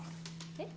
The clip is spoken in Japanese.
えっ？